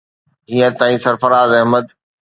هينئر تائين سرفراز احمد